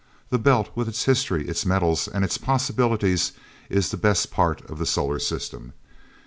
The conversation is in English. The Belt, with its history, its metals, and its possibilities, is the best part of the solar system.